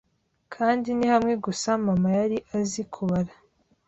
kandi ni hamwe gusa mama yari azi kubara.